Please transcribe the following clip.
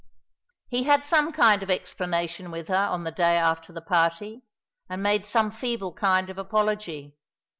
He had some kind of explanation with her on the day after the party, and made some feeble kind of apology.